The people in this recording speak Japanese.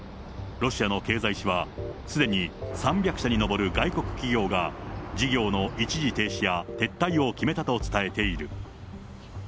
ロシアの経済紙は、すでに３００社に上る外国企業が、事業の一時停止や撤退を決めたと伝えている。